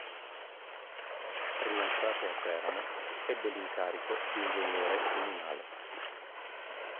Rientrato a Teramo, ebbe l'incarico di ingegnere comunale.